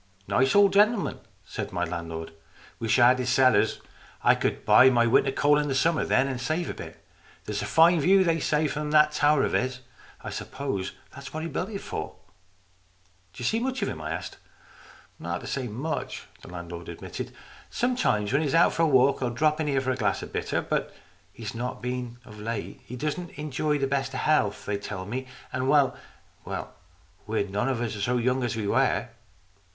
" Nice old gentleman," said my landlord. " Wish I had his cellars. I could buy my winter 206 STORIES IN GREY coal in the summer then, and save a bit. There's a fine view, they say, from that tower of his. I suppose that's what he built it for." " Do you see much of him ?" I asked. " Not to say much," the landlord admitted. " Sometimes when he's out for a walk he'll drop in here for a glass of bitter, but he's not been of late. He doesn't enjoy the best of health, they tell me, and well, we're none of us so young as we were."